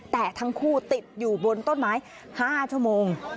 แต่ทั้งคู่ติดอยู่บนต้นไม้๕ชั่วโมง